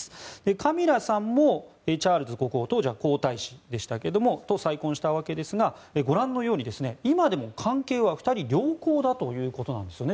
カミラさんもチャールズ国王当時は皇太子でしたが再婚したわけですがご覧のように今でも関係は２人良好だということなんですね